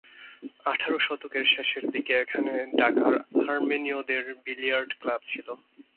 আঠারো শতকের শেষের দিকে এখানে ঢাকার আর্মেনীয়দের বিলিয়ার্ড ক্লাব ছিল।